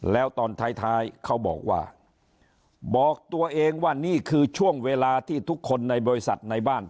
แล้วตอนท้ายเขาบอกว่าบอกตัวเองว่านี่คือช่วงเวลาที่ทุกคนในบริษัทในบ้าน